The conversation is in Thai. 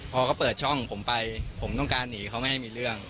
พอเขาเปิดช่องผมไปผมต้องการหนีเขาไม่ให้มีเรื่อง